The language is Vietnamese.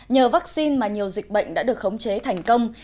nhờ vaccine mà nhiều dịch bệnh đã được khống chế thành công